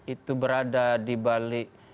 itu berada di balik